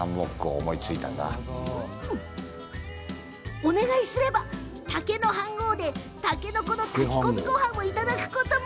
お願いすれば竹のはんごうでたけのこの炊き込みごはんをいただくことも。